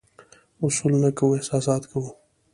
اصول نه کوو، احساسات کوو.